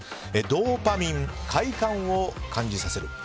ドーパミン、快感を感じさせる。